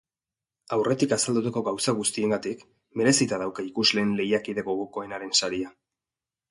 Aurretik azaldutako gauza guztiengatik, merezita dauka ikusleen lehiakide gogokoenaren saria.